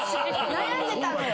悩んでたのよ